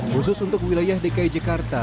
khusus untuk wilayah dki jakarta